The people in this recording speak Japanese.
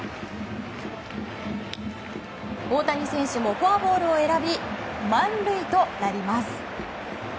大谷選手もフォアボールを選び満塁となります。